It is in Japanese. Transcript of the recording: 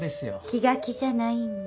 気が気じゃないんだ？